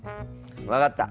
分かった！